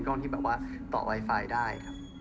ปต่อไวไฟได้ครับ